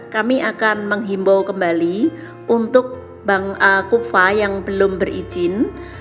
kami akan menghimbau kembali untuk bank kufa yang belum berizin